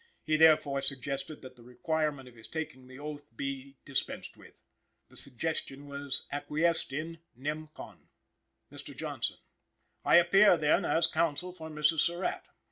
He therefore suggested that the requirement of his taking the oath be dispensed with. "The suggestion was acquiesced in, nem. con. "Mr. Johnson. I appear, then, as counsel for Mrs. Surratt."